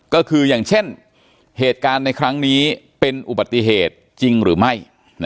ก็คืออย่างเช่นเหตุการณ์ในครั้งนี้เป็นอุบัติเหตุจริงหรือไม่